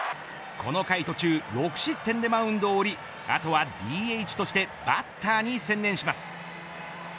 この回途中６失点でマウンドを降りあとはＤＨとしてバッターに専念します。